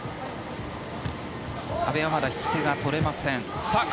阿部はまだ引き手がとれません。